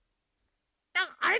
あれ？